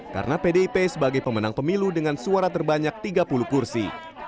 karena pdip sebagai pemenang pemilu dengan suara terbanyak tiga puluh kursi